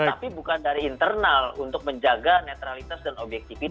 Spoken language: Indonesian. tapi bukan dari internal untuk menjaga netralitas dan objektivitas